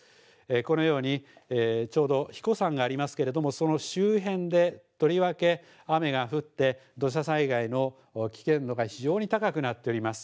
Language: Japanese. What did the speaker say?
このようにちょうど英彦山がありますけれども、その周辺でとりわけ、雨が降って、土砂災害の危険度が非常に高くなっております。